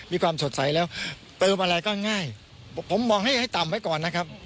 มีความสดใสแล้วเติมอะไรก็ง่ายผมมองให้ให้ต่ำไว้ก่อนนะครับ